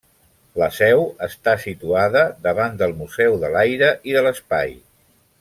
La seu està situada davant del Museu de l'Aire i de l'Espai.